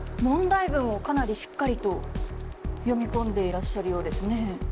問題文をかなりしっかりと読み込んでいらっしゃるようですね。